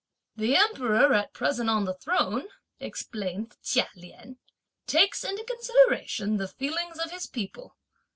"The Emperor at present on the Throne," explained Chia Lien, "takes into consideration the feelings of his people.